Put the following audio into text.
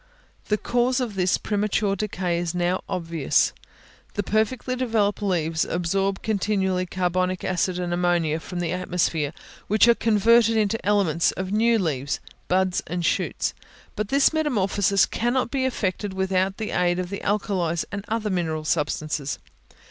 The cause of this premature decay is now obvious. The perfectly developed leaves absorb continually carbonic acid and ammonia from the atmosphere, which are converted into elements of new leaves, buds, and shoots; but this metamorphosis cannot be effected without the aid of the alkalies, and other mineral substances.